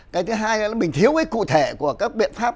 cái thứ hai là mình thiếu cái cụ thể của các biện pháp